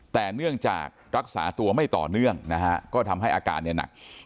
แต่เนื่องจากรักษาตัวไม่ต่อเนื่องนะฮะก็ทำให้อาการเนี่ยหนัก